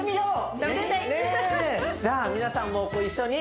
じゃあ皆さんもご一緒に。